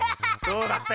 どうだった？